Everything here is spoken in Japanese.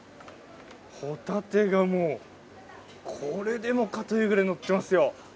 ホタテがもう、これでもかというぐらいのってますよ。